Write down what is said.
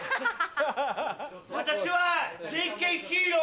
私はＪＫヒーロー。